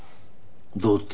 どうって？